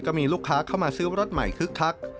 ก็มีลูกค้าเข้ามาซื้อรถใหม่คึกคัก